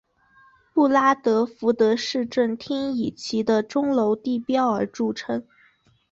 布拉德福德市政厅以其的钟楼地标而着称。